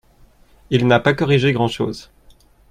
Il n’a pas corrigé grand-chose